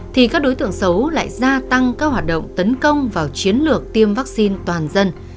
thì các đối tượng xấu lại gia tăng các hoạt động tấn công vào chiến lược tiêm vaccine toàn dân